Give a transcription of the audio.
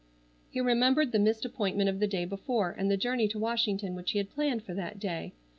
He remembered the missed appointment of the day before, and the journey to Washington which he had planned for that day.